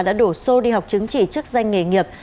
đã đổ số đi học chứng chỉ trước danh nghề nghiệp